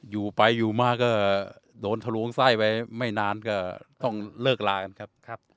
อยู่ไปอยู่มาก็โดนทะลวงไส้ไปไม่นานก็ต้องเลิกลากันครับ